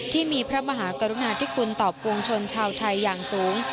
ที่มีพระมหากรุณาธิคุณต่อปวงชนชาวไทยอย่างสูง